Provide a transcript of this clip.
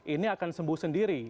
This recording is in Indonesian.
ini akan sembuh sendiri